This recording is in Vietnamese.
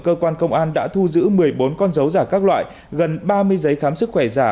cơ quan công an đã thu giữ một mươi bốn con dấu giả các loại gần ba mươi giấy khám sức khỏe giả